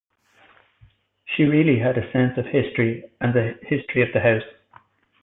She really had a sense of history and the history of the house.